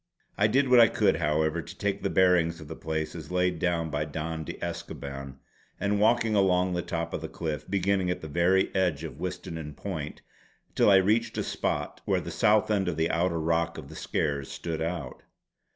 I did what I could, however, to take the bearings of the place as laid down by Don de Escoban by walking along the top of the cliff, beginning at the very edge of Witsennan Point till I reached a spot where the south end of the outer rock of the Skares stood out.